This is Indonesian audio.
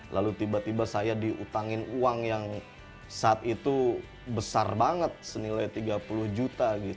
lalu tiba tiba saya diutangin uang yang saat itu besar banget senilai tiga puluh juta